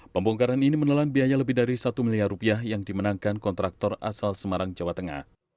pembongkaran ini menelan biaya lebih dari satu miliar rupiah yang dimenangkan kontraktor asal semarang jawa tengah